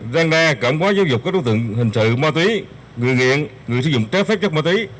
gian đa cảm hóa giáo dục các đối tượng hình sự ma túy người nghiện người sử dụng trái phép chất ma túy